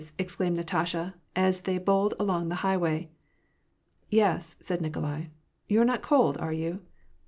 exclaimed Natasha, as they bowled along the highway. " Yes," said Nikolai. " You are not cold, are you